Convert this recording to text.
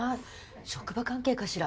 職場関係かしら？